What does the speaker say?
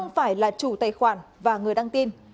phải là chủ tài khoản và người đăng tin